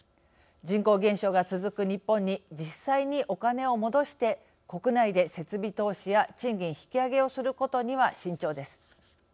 人口減少が続く日本に実際におカネを戻して国内で設備投資や賃金引き上げをすることには慎重です。